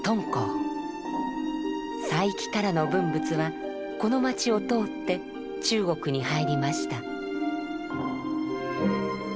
西域からの文物はこの町を通って中国に入りました。